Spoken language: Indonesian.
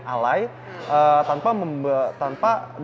alay tanpa berpikir pikir